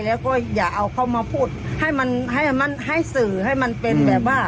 แล้วก็อย่าเอาเขามาพูดให้มันให้มันให้สื่อให้มันเป็นแบบว่า